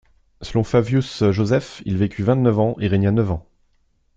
Selon Flavius Josèphe il vécut vingt-neuf ans et régna neuf ans.